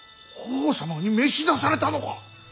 法皇様に召し出されたのか。